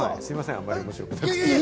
あまり面白くなくて。